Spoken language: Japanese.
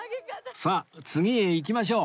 さあ次へ行きましょう